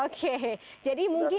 oke jadi mungkin